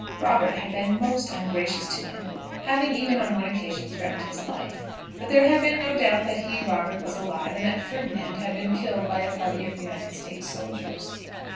Robert had been most ungracious to him, having even on one occasion threatened his life; but there had been no doubt that he, Robert, was alive, and that Ferdinand had been killed by a party of United States soldiers.